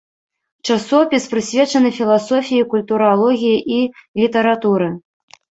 Часопіс прысвечаны філасофіі, культуралогіі і літаратуры.